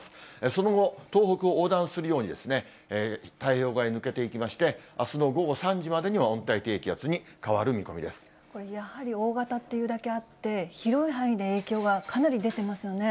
その後、東北を横断するようにですね、太平洋側に抜けていきまして、あすの午後３時までには温帯低気やはり大型というだけであって、広い範囲に影響がかなり出てますよね。